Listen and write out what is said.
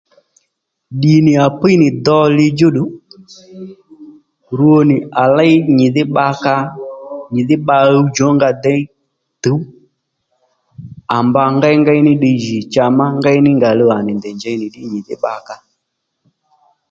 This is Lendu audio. Ddì nì à píy nì do li djúddù rwonì à léy nyìdhí bba kǎ nyìdhí bba ɦuwdjǒ nga déy tǔw à mba ngéyngéy ní ddiy jì cha má ngéy ní nga òluw ndèy nì ndèy njěy ddí nyìdhí bbakǎ